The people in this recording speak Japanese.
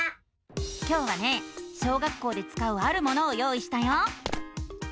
今日はね小学校でつかうあるものを用意したよ！